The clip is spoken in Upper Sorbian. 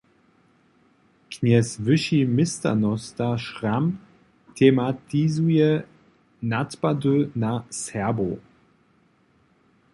Knjez wyši měšćanosta Schramm tematizuje nadpady na Serbow.